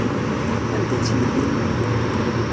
Anda-tt yelli-m?